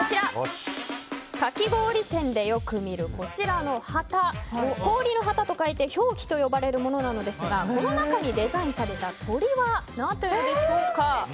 かき氷店でよく見るこちらの旗氷の旗と書いて氷旗と呼ばれるものなのですがこの中にデザインされた鳥は何でしょうか。